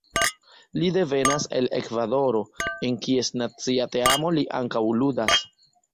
Li devenas el Ekvadoro, en kies nacia teamo li ankaŭ ludas.